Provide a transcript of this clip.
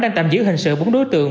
đang tạm giữ hình sự bốn đối tượng